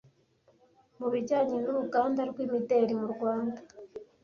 mu bijyanye n’uruganda rw’imideri mu Rwanda